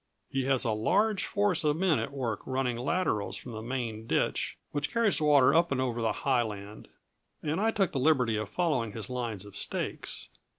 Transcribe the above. He has a large force of men at work running laterals from the main ditch, which carries the water up and over the high land, and I took the liberty of following his lines of stakes.